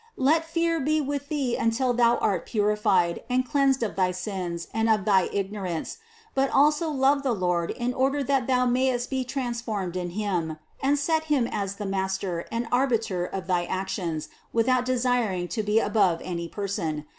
Let fear be with thee 262 CITY OF GOD until thou art purified and cleansed of thy sins and of thy ignorance, but also love the Lord in order that thou mayest be transformed in Him, and set Him as the Mas ter and the Arbiter of thy actions without desiring to be above any person.